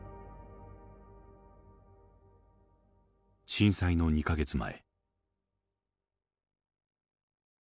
震災の２か月前。